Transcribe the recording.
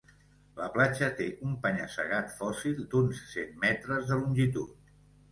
La platja té un penya-segat fòssil d'uns cent metres de longitud.